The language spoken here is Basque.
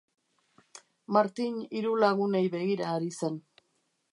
Martin hiru lagunei begira ari zen.